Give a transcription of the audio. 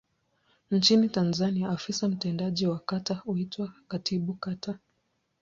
Nchini Tanzania afisa mtendaji wa kata huitwa Katibu Kata.